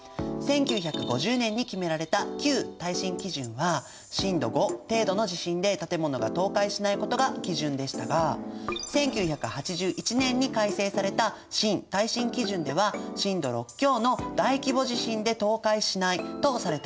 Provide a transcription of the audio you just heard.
１９５０年に決められた旧耐震基準は震度５程度の地震で建物が倒壊しないことが基準でしたが１９８１年に改正された新耐震基準では震度６強の大規模地震で倒壊しないとされたんです。